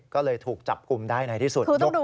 ก็เลยถูกจับกลุ่มได้ในที่สุดยก